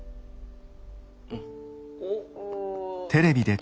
「うん」。